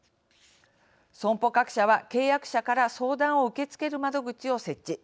損保各社は契約者から相談を受け付ける窓口を設置。